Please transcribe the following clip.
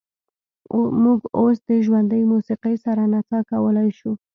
موږ اوس د ژوندۍ موسیقۍ سره نڅا کولی شو